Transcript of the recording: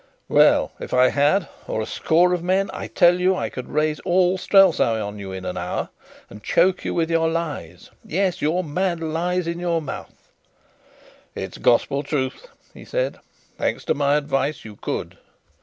"Well, and if I had or a score of men? I tell you, I could raise all Strelsau on you in an hour, and choke you with your lies yes, your mad lies in your mouth." "It's gospel truth," he said "thanks to my advice you could."